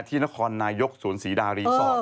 ที่นครนายกศูนย์ศรีดารีสอร์ท